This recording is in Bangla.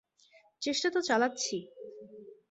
চেষ্টা তো চালাচ্ছি।